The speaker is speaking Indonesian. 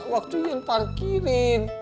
waktu yang parkirin